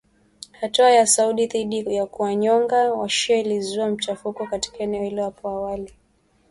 Hatua ya Saudi dhidi ya kuwanyonga wa-shia ilizua machafuko katika eneo hilo hapo awali.